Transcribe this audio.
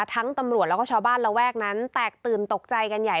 ตำรวจแล้วก็ชาวบ้านระแวกนั้นแตกตื่นตกใจกันใหญ่